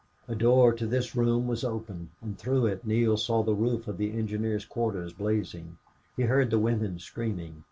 A door of this room was open, and through it Neale saw the roof of the engineers' quarters blazing. He heard the women screaming.